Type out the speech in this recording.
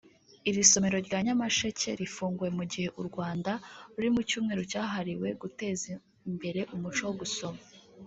Iri somero rya Nyamasheke rifunguwe mu gihe u Rwanda ruri mu Cyumweru cyahariwe guteza imbere umuco wo gusoma